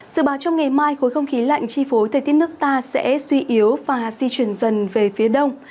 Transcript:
dự báo trong ngày mai khối không khí lạnh chi phối thời tiết nước ta sẽ suy yếu và di chuyển dần về phía đông